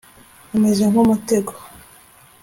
umeze nk umutego